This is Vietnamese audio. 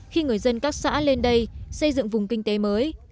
khi người dân các xã lên đây xây dựng vùng kinh tế mới